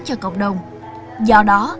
cho cộng đồng do đó